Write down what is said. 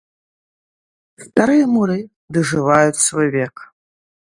Старыя муры дажываюць свой век.